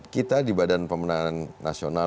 kita di badan pemenangan nasional